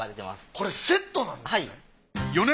これセットなんですね。